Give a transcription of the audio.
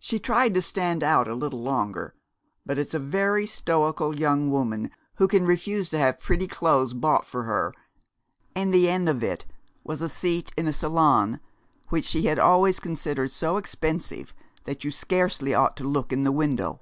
She tried to stand out a little longer, but it's a very stoical young woman who can refuse to have pretty clothes bought for her, and the end of it was a seat in a salon which she had always considered so expensive that you scarcely ought to look in the window.